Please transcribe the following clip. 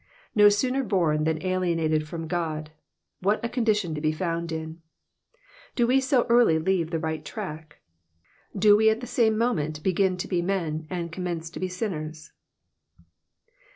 No sooner bom than alienated from God — what a condition to be found in I Do we so early leave the right track ? Do we at the same moment begin to be men and commence to be sinners?